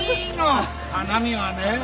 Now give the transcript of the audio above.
花見はね